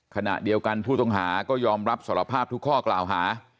ขณะเดียวกันผู้ต้องหาก็ยอมรับสารภาพทุกข้อกล่าวหา